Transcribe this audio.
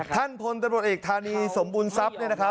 ท่านพลตำรวจเอกธานีสมบูรณทรัพย์